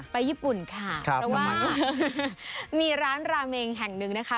ญี่ปุ่นค่ะเพราะว่ามีร้านราเมงแห่งหนึ่งนะคะ